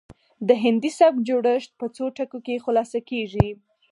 د هندي سبک جوړښت په څو ټکو کې خلاصه کیږي